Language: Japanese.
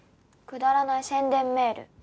くだらない宣伝メール。